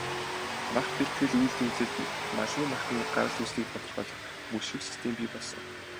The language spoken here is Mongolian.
Мах бэлтгэл, үйлдвэрлэлд малын махны гарал үүслийг тодорхойлох, мөшгөх систем бий болгосон.